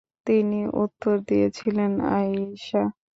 তিনি উত্তর দিয়েছিলেন, "আয়িশা।